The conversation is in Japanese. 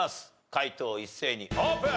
解答一斉にオープン！